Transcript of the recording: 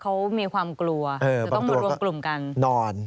เขามีความกลัวจะต้องมารวมกลุ่มกันนอน